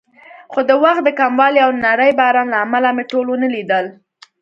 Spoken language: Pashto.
خو د وخت د کموالي او نري باران له امله مې ټول ونه لیدل.